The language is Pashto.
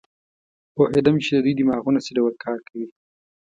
پوهېدم چې د دوی دماغونه څه ډول کار کوي.